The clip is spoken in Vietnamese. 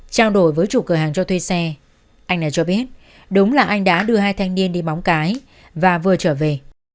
trang đổi với chủ cửa hàng cho thuê xe anh này cho biết đúng là anh đã đưa hai thanh niên đi bóng cãi và vừa trở về